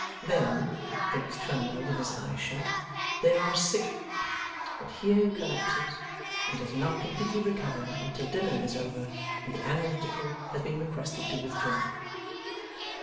['Then,' thinks Twemlow, with his eyes shut, 'there are si ' But here collapses and does not completely recover until dinner is over and the Analytical has been requested to withdraw.)